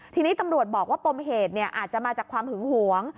ทีนี้ตำรวจบอกว่าปมเหตุอาจจะมาจากความหึงหวง